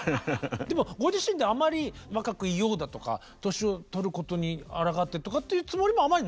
でもご自身であまり若くいようだとか年を取ることにあらがってとかっていうつもりもあまりないんですね。